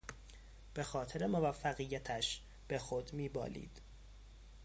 به خاطر موفقیتش به خود میبالید.